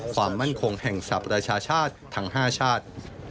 ความมั่นคงแห่งสรรพราชาชาติทั้ง๕ชาติ